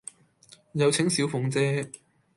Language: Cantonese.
有請小鳳姐